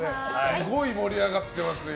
すごい盛り上がってますよ。